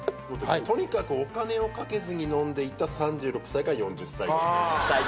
とにかくお金をかけずに飲んでいた３６歳から４０歳ごろ。